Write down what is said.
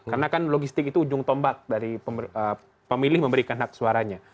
karena kan logistik itu ujung tombak dari pemilih memberikan hak suaranya